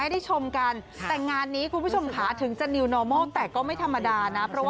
เอาข้างหลังเพียงเช่นเดียว